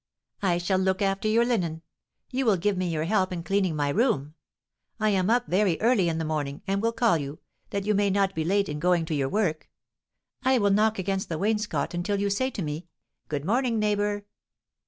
I shall look after your linen; you will give me your help in cleaning my room. I am up very early in the morning, and will call you, that you may not be late in going to your work; I will knock against the wainscot until you say to me, 'Good morning, neighbour!'"